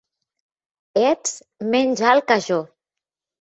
Ets menys alt que jo.